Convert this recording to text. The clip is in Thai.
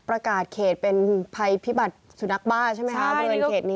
ประกาศเขตเป็นภัยพิบัตรสุนัขบ้าใช่ไหมคะ